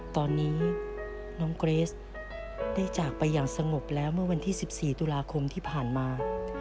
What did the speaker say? ตอนนี้น้องเกรสได้จากไปอย่างสงบแล้วเมื่อวันที่๑๔ตุลาคมที่ผ่านมา